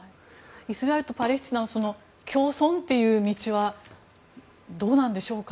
イスラエルとパレスチナの共存という道はどうなんでしょうか。